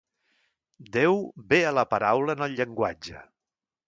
Déu ve a la paraula en el llenguatge.